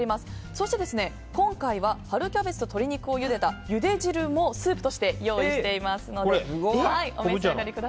そして今回は春キャベツと鶏肉をゆでたゆで汁もスープとして用意していますので昆布茶の？